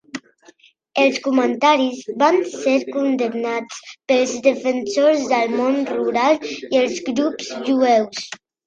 Els comentaris van ser condemnats pels defensors del món rural i els grups jueus.